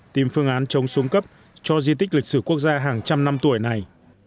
tìm phương án chống xuống cấp cho di tích lịch sử quốc gia hàng trăm năm tuổi này